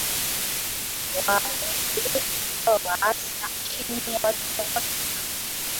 wa Uigiriki ukawa waasi na chini ya Wattoman